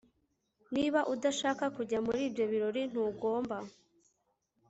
Niba udashaka kujya muri ibyo birori ntugomba